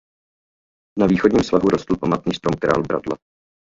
Na východním svahu rostl památný strom Král Bradla.